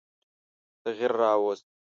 تغییر را ووست.